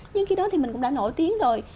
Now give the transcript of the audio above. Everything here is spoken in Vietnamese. nhưng khi đó thì mình cũng đã nổi tiếng rồi